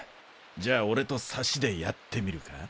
じゃあ俺とサシでやってみるか？